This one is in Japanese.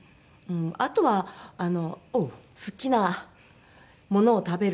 あとは好きなものを食べる。